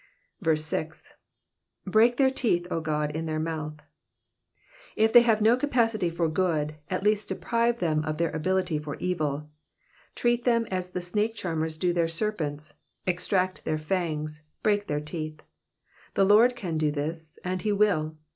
6. ''^ Break their teeth, 0 Ood, in their mouth.'' ^ If they have no capacity for good, at least deprive them of their ability for evil. Treat them as the snake charmers do their serpents, extract their fangs, break their teeth. The Lord can do this, and he will.